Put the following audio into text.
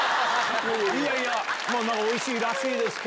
いやいや、おいしいらしいですけ